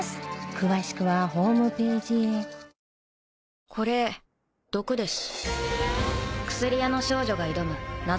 詳しくはホームページへこれ毒です。